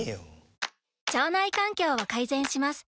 腸内環境を改善します。